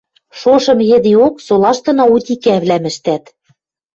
шошым йӹдеок солаштына утикӓвлӓм ӹштӓт